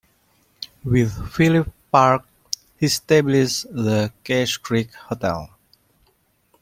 With Philip Parke he established the Cache Creek Hotel.